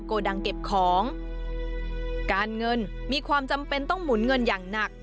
โกดังเก็บของการเงินมีความจำเป็นต้องหมุนเงินอย่างหนัก